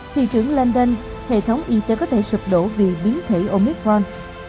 thị trưởng london hệ thống y tế có thể sụp đổ vì biến thể ôn biết khoan